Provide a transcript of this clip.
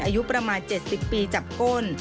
อายุประมาณ๗๐ปีจับก้น